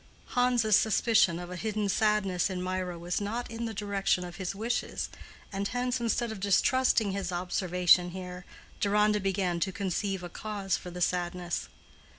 Hans's suspicion of a hidden sadness in Mirah was not in the direction of his wishes, and hence, instead of distrusting his observation here, Deronda began to conceive a cause for the sadness.